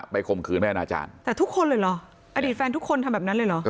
ข่มขืนแม่อนาจารย์แต่ทุกคนเลยเหรออดีตแฟนทุกคนทำแบบนั้นเลยเหรอ